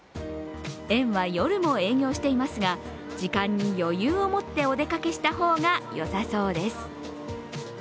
園は夜も営業していますが時間に余裕を持ってお出かけした方がよさそうです。